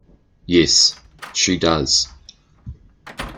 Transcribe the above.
Yes, she does.